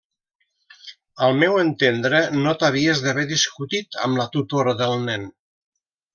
Al meu entendre no t'havies d'haver discutit amb la tutora del nen.